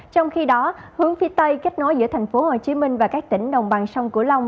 trong khi đó hướng phía tây kết nối giữa tp hcm và các tỉnh đồng bằng sông cửu long